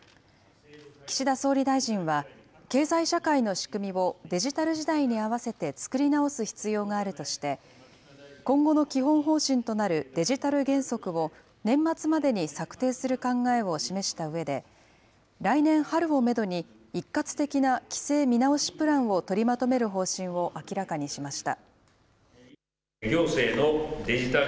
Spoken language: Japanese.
岸田総理大臣は、経済社会の仕組みをデジタル時代に合わせて作り直す必要があるとして、今後の基本方針となるデジタル原則を年末までに策定する考えを示したうえで、来年春をメドに、一括的な規制見直しプランを取りまとめる方針を明らかにしました。